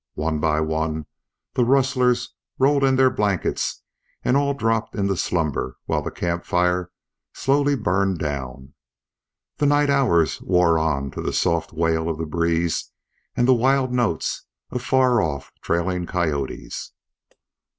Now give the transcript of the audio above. One by one the rustlers rolled in their blankets and all dropped into slumber while the camp fire slowly burned down. The night hours wore on to the soft wail of the breeze and the wild notes of far off trailing coyotes.